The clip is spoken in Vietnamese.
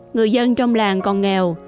người dân trong làng còn nghèo